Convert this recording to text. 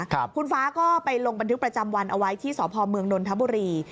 คุณฟ้าก็ไปลงบันทึกประจำวันเอาไว้ที่สพเมืองนนทบุรี